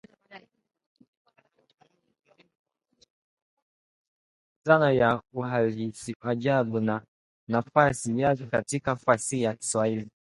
muhimu kuhusu dhana ya uhalisiajabu na nafasi yake katika fasihi ya Kiswahili